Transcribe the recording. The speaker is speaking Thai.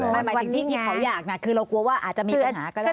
หมายถึงที่เขาอยากนะคือเรากลัวว่าอาจจะมีปัญหาก็ได้